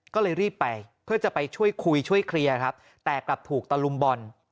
ก็เลยรีบไปเพื่อจะไปช่วยคุยช่วยเคลียร์ครับแต่กลับถูกตะลุมบอล